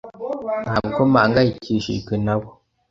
Ntabwo mpangayikishijwe nabo.